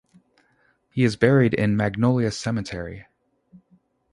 He is buried in Magnolia Cemetery.